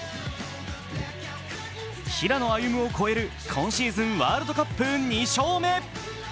平野歩夢を超える今シーズンワールドカップ２勝目。